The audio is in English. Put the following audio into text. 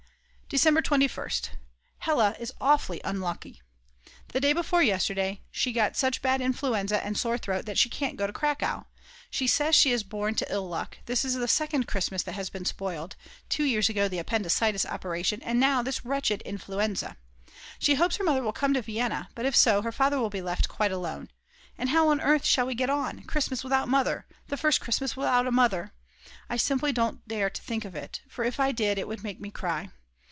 December 21st. Hella is awfully unlucky. The day before yesterday she got such bad influenza and sore throat that she can't go to Cracow. She says she is born to ill luck; this is the second Christmas that has been spoiled, two years ago the appendicitis operation, and now this wretched influenza. She hopes her mother will come to Vienna, but if so her father will be left quite alone. And how on earth shall we get on, Christmas without Mother, the first Christmas without Mother. I simply don't dare to think of it, for if I did it would make me cry.